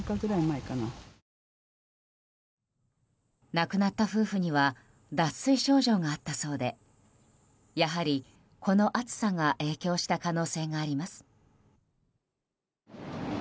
亡くなった夫婦には脱水症状があったそうでやはり、この暑さが影響した可能性があります。